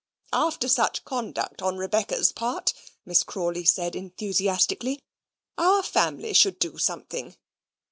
"After such conduct on Rebecca's part," Miss Crawley said enthusiastically, "our family should do something.